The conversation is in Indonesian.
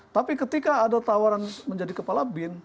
tapi ketika ada tawaran menjadi kepala bin